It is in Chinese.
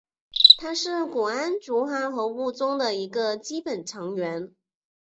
它是钴胺族化合物中的一个基本成员。